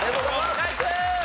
ナイス！